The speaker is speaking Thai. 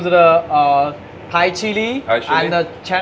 และชิลลี่จานน์